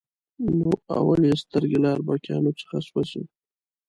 نو اول یې سترګې له اربکیانو څخه سوځي.